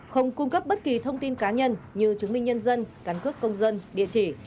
không cung cấp bất kỳ thông tin cá nhân như chứng minh nhân dân cán cước công dân địa chỉ